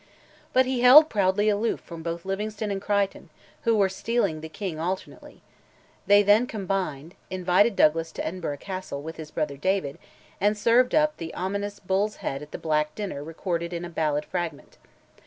But he held proudly aloof from both Livingstone and Crichton, who were stealing the king alternately: they then combined, invited Douglas to Edinburgh Castle, with his brother David, and served up the ominous bull's head at that "black dinner" recorded in a ballad fragment.